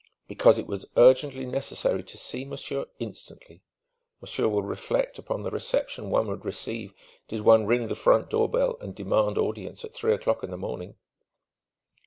"Because it was urgently necessary to see monsieur instantly. Monsieur will reflect upon the reception one would receive did one ring the front door bell and demand audience at three o'clock in the morning!"